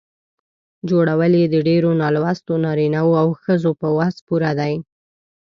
جوړول یې د ډېرو نالوستو نارینه وو او ښځو په وس پوره دي.